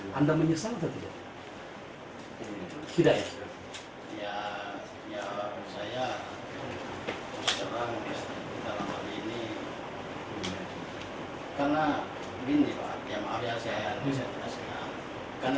ketika pengikutnya menerima pengikutnya penyelamatnya dan pengikutnya yang lainnya